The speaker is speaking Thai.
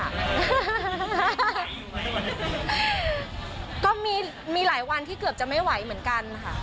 ก็มีมีหลายวันที่เกือบจะไม่ไหวเหมือนกันค่ะ